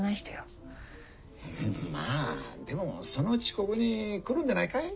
んまあでもそのうちここに来るんでないかい？